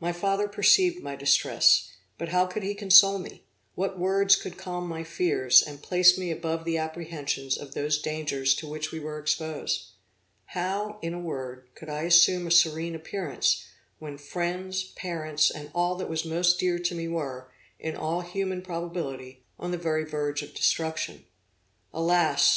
My father perceived my distress, but how could he console me? What words could calm my fears, and place me above the apprehensions of those dangers to which we were exposed? How, in a word, could I assume a serene appearance, when friends, parents and all that was most dear to me were, in all human probability, on the very verge of destruction? Alas!